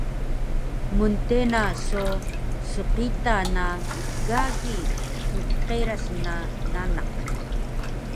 mntena so sqita na gagi dqeras na nanak